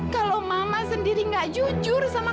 kalau mama sendiri nggak jujur sama kamu